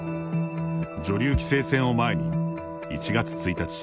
女流棋聖戦を前に１月１日